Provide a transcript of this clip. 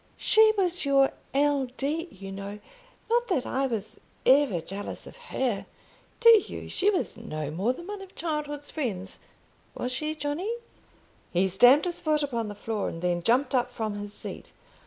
"She was your L. D., you know. Not that I was ever jealous of her. To you she was no more than one of childhood's friends. Was she, Johnny?" He stamped his foot upon the floor, and then jumped up from his seat.